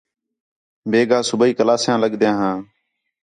بیگھا، صُبیح کلاسیاں لڳدیاں ہاں